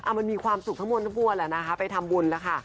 มันมีความสุขทั้งหมดทั้งมวลแหละนะคะไปทำบุญแล้วค่ะ